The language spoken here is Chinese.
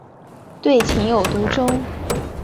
对情有独钟。